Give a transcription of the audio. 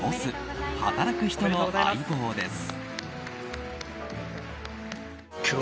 「働く人の相棒」です。